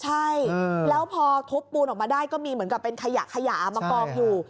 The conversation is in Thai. ใช่แล้วพอทุบปูนออกมาได้ก็มีเหมือนกับเป็นขยะขยะมากองอยู่